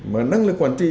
mà năng lực quản trị